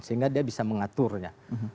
sehingga dia bisa mengaturnya